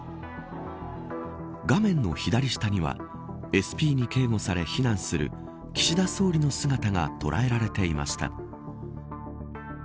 画面の左下にはＳＰに警護され避難する岸田総理の姿が捉えられていました。